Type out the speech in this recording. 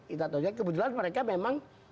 kita tahu kemudian mereka memang